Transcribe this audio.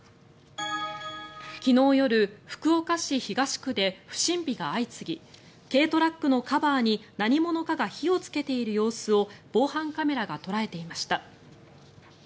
昨日夜、福岡市東区で不審火が相次ぎ軽トラックのカバーに何者かが火をつけている様子を防犯カメラが捉えていました。